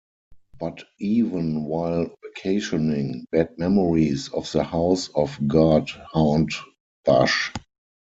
But even while vacationing, bad memories of the House of God haunt Basch.